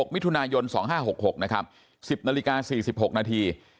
มิถุนายน๒๕๖๖นะครับ๑๐นาฬิกา๔๖นาที